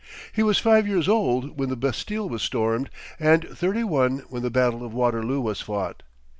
He was five years old when the Bastille was stormed, and thirty one when the battle of Waterloo was fought.